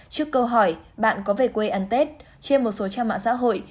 trước câu hỏi bạn có về quê ăn tết trên một số trang mạng xã hội